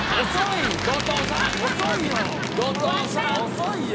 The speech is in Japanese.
遅いよ！